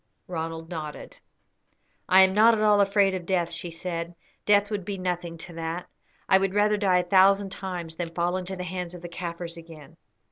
Ronald nodded. "I am not at all afraid of death," she said; "death would be nothing to that. I would rather die a thousand times than fall into the hands of the Kaffirs again."